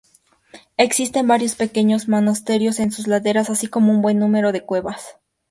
Existen varios pequeños monasterios en sus laderas, así como un buen número de cuevas.